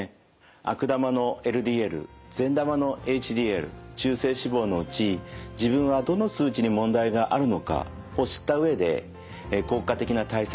悪玉のＬＤＬ善玉のＨＤＬ中性脂肪のうち自分はどの数値に問題があるのかを知った上で効果的な対策をとる。